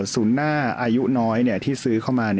ศูนย์หน้าอายุน้อยที่ซื้อเข้ามา